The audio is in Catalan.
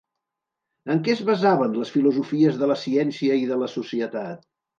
En què es basaven les filosofies de la ciència i de la societat?